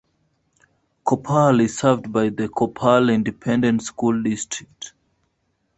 Kopperl is served by the Kopperl Independent School District.